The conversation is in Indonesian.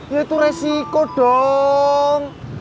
ya itu resiko dong